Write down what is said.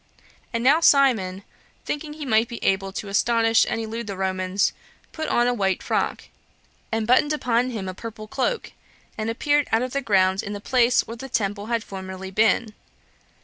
And now Simon, thinking he might be able to astonish and elude the Romans, put on a white frock, and buttoned upon him a purple cloak, and appeared out of the ground in the place where the temple had formerly been.